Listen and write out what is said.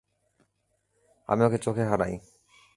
আমি ওকে চোখে হারাই।